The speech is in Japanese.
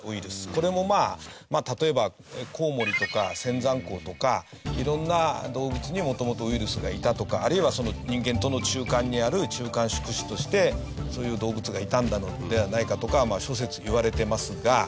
これも例えばコウモリとかセンザンコウとか色んな動物に元々ウイルスがいたとかあるいは人間との中間にある中間宿主としてそういう動物がいたのではないかとか諸説いわれてますが。